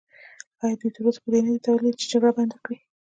ایا دوی تراوسه په دې نه دي توانیدلي چې جګړه بنده کړي؟